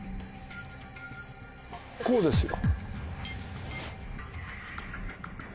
こうですよ。